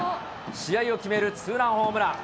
試合を決めるツーランホームラン。